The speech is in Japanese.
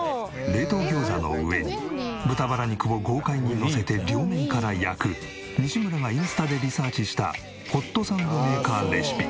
冷凍餃子の上に豚バラ肉を豪快にのせて両面から焼く西村がインスタでリサーチしたホットサンドメーカーレシピ。